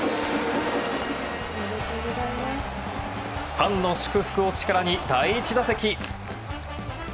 ファンの祝福を力に第１打席。